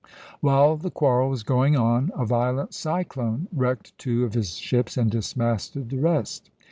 While the quarrel was going on, a violent cyclone wrecked two of his ships and dismasted the rest.